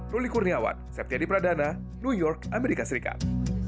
ruli kurniawan septiadi pradana new york amerika serikat